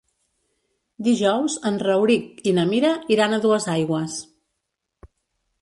Dijous en Rauric i na Mira iran a Duesaigües.